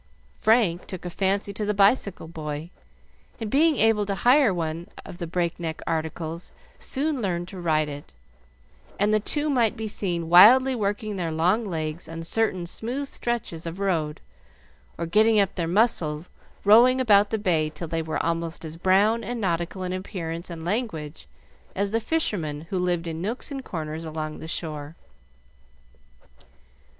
Frank took a fancy to the bicycle boy, and, being able to hire one of the breakneck articles, soon learned to ride it; and the two might be seen wildly working their long legs on certain smooth stretches of road, or getting up their muscle rowing about the bay till they were almost as brown and nautical in appearance and language as the fishermen who lived in nooks and corners along the shore.